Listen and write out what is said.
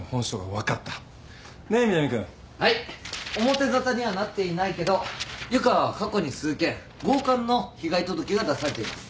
表沙汰にはなっていないけど湯川は過去に数件強姦の被害届が出されています。